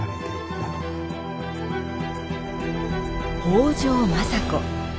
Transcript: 北条政子。